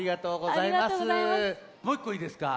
もういっこいいですか？